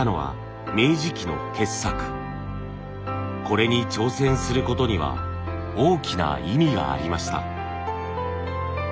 これに挑戦することには大きな意味がありました。